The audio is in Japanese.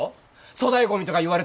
粗大ゴミとか言われてさ